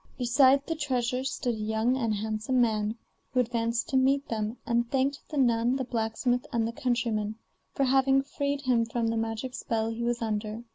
Beside the treasure stood a young and handsome man, who advanced to meet, them, and thanked the nun, the blacksmith, and the countryman, for having freed him from the magic spell he was under.